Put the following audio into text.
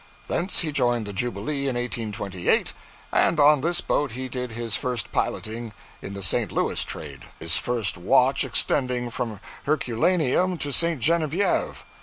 Thence he joined the "Jubilee" in 1828, and on this boat he did his first piloting in the St. Louis trade; his first watch extending from Herculaneum to St. Genevieve.